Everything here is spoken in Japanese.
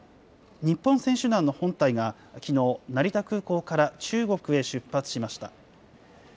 日本選手団の本隊がきのう、成田空港から中国へ出発しました。